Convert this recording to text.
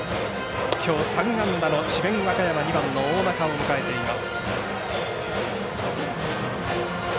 きょう３安打の智弁和歌山２番の大仲を迎えています。